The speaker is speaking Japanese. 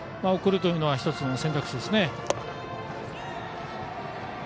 送るというのは１つの選択肢ですね。